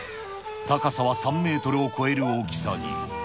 高さは３メートルを超える大きさに。